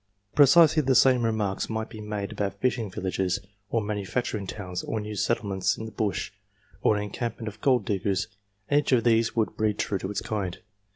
Precisely the same remarks might be made about fishing villages, or manufacturing towns, or new settlements in the Bush, or an encampment of gold diggers, and each of these would breed true to its kind.